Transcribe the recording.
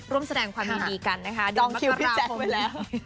ร่วมแสดงความยืดดีกันนะคะ